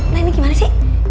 nah ini gimana sih